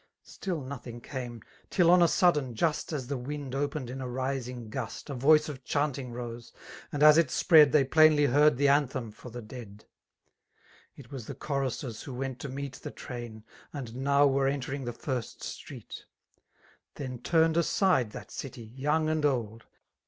Stall no&kig taune^ ^tiH on a sudden^ just As the wiiMi opened in a rising gust, A voice of chanting rose> and as it 6preAd> They plainly heard the anthem for the dead. It was the choristers who went to meet The tmin» and now were entering the first street* Then turned aside that city» young and old.